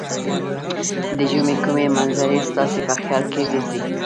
د ژمې کومې منظرې ستاسې په خیال کې ګرځي؟